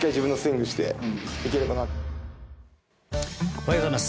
おはようございます。